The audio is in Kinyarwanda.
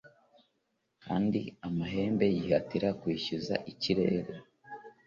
kandi amahembe yihatira kwishyuza ikirere.